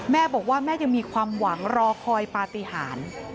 แม่บอกว่าแม่ยังมีความหวังรอคอยปฏิหาร